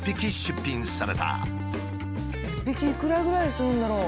１匹いくらぐらいするんだろう。